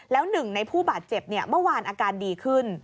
แล้วหนึ่งในผู้บาดเจ็บเมื่อวานอาการดีขึ้น